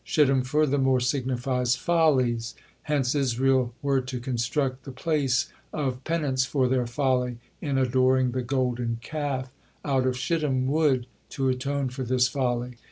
Shittim furthermore signifies "follies," hence Israel were to construct the place of penance for their folly in adoring the Golden Calf, out of shittim wood, to atone for this "folly."